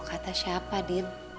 kata siapa din